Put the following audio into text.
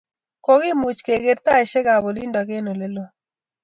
kokimuch ke ker taishek ab olindo eng' olelo